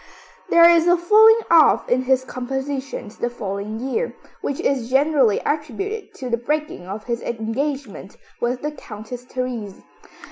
There is a falling off in his compositions the following year, which is generally attributed to the breaking of his engagement with the Countess Therese.